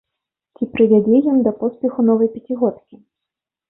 Ці прывядзе ён да поспеху новай пяцігодкі?